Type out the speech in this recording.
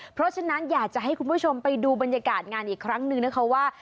เพราะฉะนั้นอยากจะให้คุณผู้ชมไปดูบรรยากาศงานอีกครั้งหนึ่งนะคะว่า